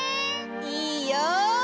いいよ！